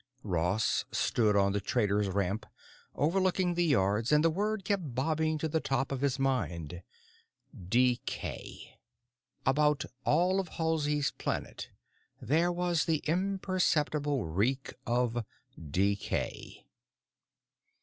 Ross stood on the traders' ramp, overlooking the Yards, and the word kept bobbing to the top of his mind. Decay. About all of Halsey's Planet there was the imperceptible reek of decay.